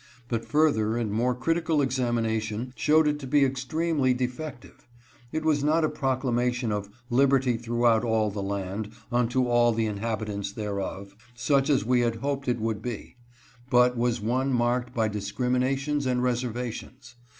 But further and more critical examination showed it to be extremely defective. It was not a proc lamation of " liberty throughout all the land, unto all the inhabitants thereof," such as we had hoped it would be, but was one marked by discriminations and reservations.